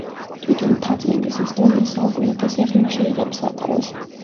თვითონ მთაწმინდის ისტორია საუკუნეთა სიღრმეში იღებს სათავეს.